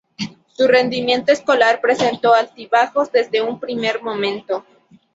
Su rendimiento escolar presentó altibajos desde un primer momento.